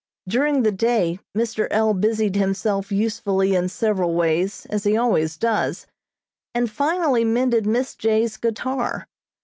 During the day Mr. L. busied himself usefully in several ways as he always does, and finally mended Miss J.'s guitar.